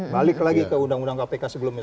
balik lagi ke undang undang kpk sebelumnya